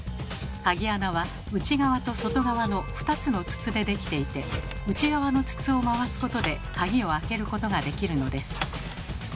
鍵穴は内側と外側の２つの筒で出来ていて内側の筒を回すことで鍵を開けることができるのです。